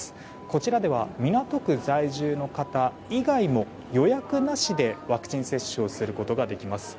こちらでは港区在住の方以外も予約なしでワクチン接種をすることができます。